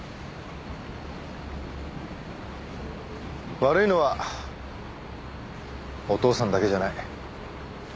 悪いのはお父さんだけじゃない。